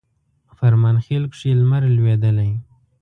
فرمانخیل کښي لمر لوېدلی